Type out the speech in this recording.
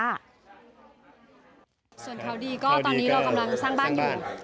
ส่วนเขาดีก็ตอนนี้เรากำลังสร้างบ้านอยู่